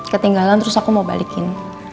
ketinggalan terus aku mau balikin